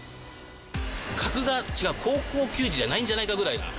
高校球児じゃないんじゃないかぐらいな。